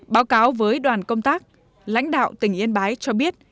báo cáo với đoàn công tác lãnh đạo tỉnh yên bái cho biết